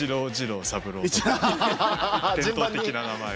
伝統的な名前を。